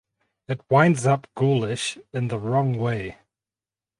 It winds up ghoulish in the wrong way.